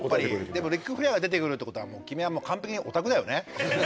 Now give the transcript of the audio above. でもリック・フレアーが出てくるって事は君はもう完璧にオタクだよね。